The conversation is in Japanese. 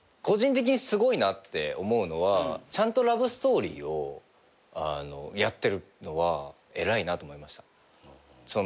個人的にすごいなって思うのはちゃんとラブストーリーをやってるのは偉いなと思いました。